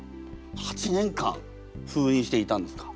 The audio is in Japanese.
８年間封印していたんですか？